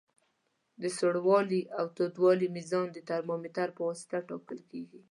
د سوړوالي او تودوالي میزان د ترمامتر پواسطه ټاکل کیږي.